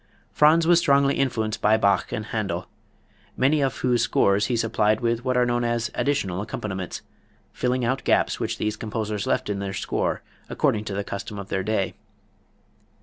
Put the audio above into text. Franz was strongly influenced by Bach and Händel, many of whose scores he supplied with what are known as "additional accompaniments," filling out gaps which these composers left in their scores according to the custom of their day.